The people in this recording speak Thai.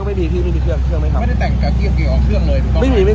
สวัสดีครับคุณผู้ชาย